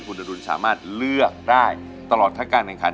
คุณอดุลสามารถเลือกได้ตลอดทั้งการแข่งขัน